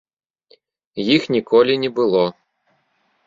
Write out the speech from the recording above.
Іх ніколі не было.